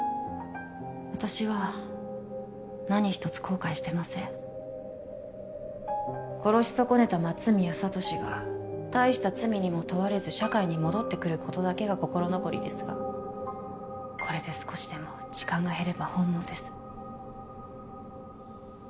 私は何一つ後悔してません殺し損ねた松宮聡が大した罪にも問われず社会に戻ってくることだけが心残りですがこれで少しでも痴漢が減れば本望です